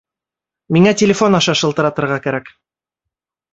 Миңә телефон аша шылтыратырға кәрәк